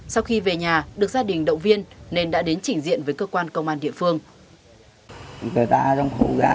sau khi về nhà được gia đình động viên nên đã đến chỉnh diện với cơ quan công an địa phương